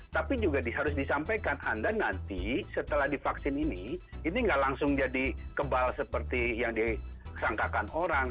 tapi juga harus disampaikan anda nanti setelah divaksin ini ini nggak langsung jadi kebal seperti yang disangkakan orang